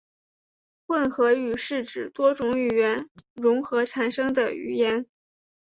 混合语是指多种语言融合产生的语言。